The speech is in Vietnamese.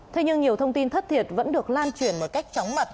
thế nhưng nhiều thông tin thất thiệt vẫn được lan truyền một cách chóng mặt